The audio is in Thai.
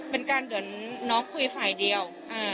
เป็นการเหมือนน้องคุยฝ่ายเดียว